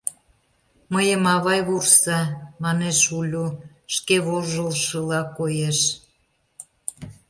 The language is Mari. — Мыйым авай вурса, — манеш Улю, шке вожылшыла коеш.